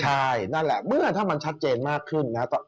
ใช่นั่นแหละเมื่อถ้ามันชัดเจนมากขึ้นนะครับ